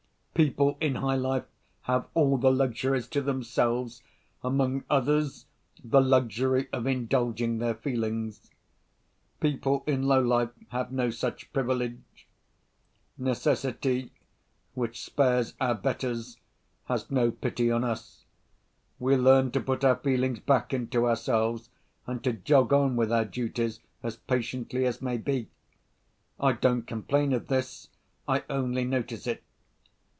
People in high life have all the luxuries to themselves—among others, the luxury of indulging their feelings. People in low life have no such privilege. Necessity, which spares our betters, has no pity on us. We learn to put our feelings back into ourselves, and to jog on with our duties as patiently as may be. I don't complain of this—I only notice it.